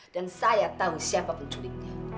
dan saya tahu siapa penculiknya